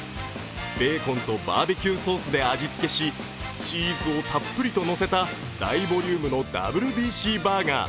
ベーコンとバーベキューソースで味つけしチーズをたっぷりとのせた大ボリュームのＷＢＣバーガー。